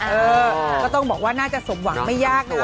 เออก็ต้องบอกว่าน่าจะสมหวังไม่ยากนะคะ